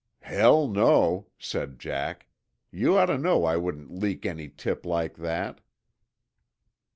"Hell, no," said Jack. "You ought to know I wouldn't leak any tip like that."